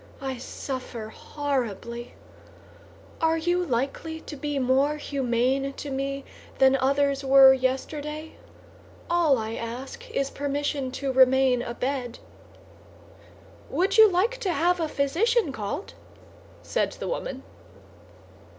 I suffer horribly. Are you likely to be more humane to me than others were yesterday? All I ask is permission to remain abed." "Would you like to have a physician called?" said the woman.